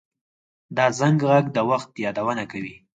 د زنګ غږ د وخت یادونه کوي